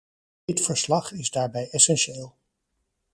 Dit verslag is daarbij essentieel.